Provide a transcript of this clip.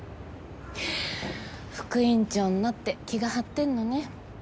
副院長になって気が張ってんのね。